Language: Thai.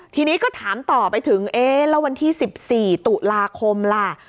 ทีนี้ก็ถามต่อไปถึงเอ๊ะแล้ววันที่๑๔ตุลาคมล่ะ